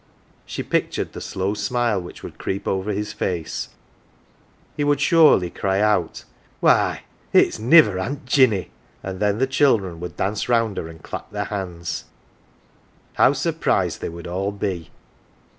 She pictured the slow smile which would creep over his face. He would surely cry out, " Why, it's niver Aunt Jinny !" and then the children would dance round her and clap their hands. How surprised they would all be